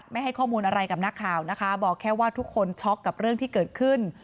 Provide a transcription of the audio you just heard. ไม่ให้ข้อมูลอะไรกับนักข่าวนะคะบอกแค่ว่าทุกคนช็อกกับเรื่องที่เกิดขึ้น